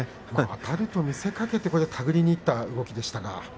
あたると見せかけて手繰りにいった動きでした。